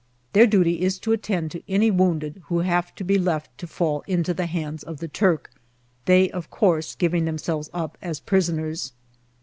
Their duty is to attend to any wounded who may have to be left to fall into the hands of the Turk, they of course giving themselves up as prisoners.